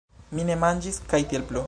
Mi ne manĝis kaj tiel plu.